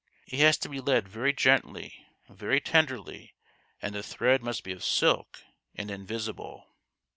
He has to be led very gently very tenderly and the thread must be of silk and invisible